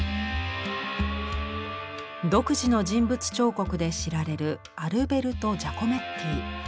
独自の人物彫刻で知られるアルベルト・ジャコメッティ。